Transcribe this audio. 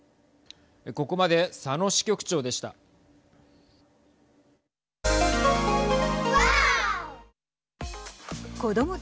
ここまで佐野支局長でした。